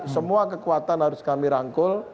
semua kekuatan harus kami rangkul